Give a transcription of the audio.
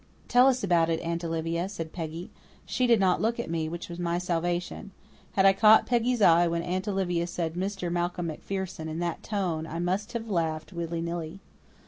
"Tell us about it, Aunt Olivia," said Peggy. She did not look at me, which was my salvation. Had I caught Peggy's eye when Aunt Olivia said "Mr. Malcolm MacPherson" in that tone I must have laughed, willy nilly.